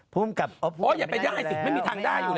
ภูมิกราบอ๋ออย่าไปย่ายสิไม่มีทางได้อยู่แล้ว